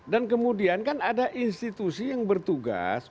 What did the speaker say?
dan kemudian kan ada institusi yang bertugas